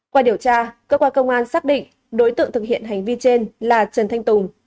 qua điều tra cơ quan công an xác định đối tượng thực hiện hành vi trên là trần thanh tùng